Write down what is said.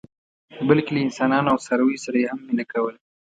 بلکې له انسانانو او څارویو سره یې هم مینه کوله.